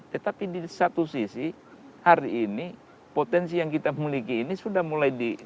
tetapi di satu sisi hari ini potensi yang kita miliki ini sudah mulai di